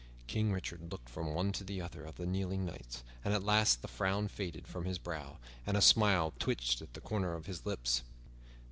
King Richard looked from one to the other of the kneeling knights, and at last the frown faded from his brow and a smile twitched at the corners of his lips.